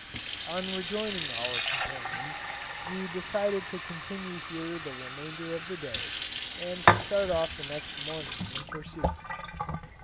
On rejoining our companions, we decided to continue here the remainder of the day, and to start off the next morning in pursuit.